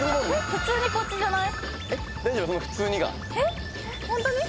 普通にこっちじゃない？